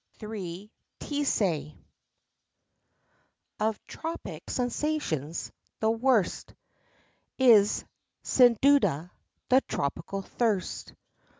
III Teestay Of tropic sensations, the worst Is, sin duda, the tropical thirst.